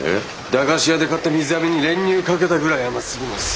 駄菓子屋で買った水あめに練乳かけたぐらい甘すぎます。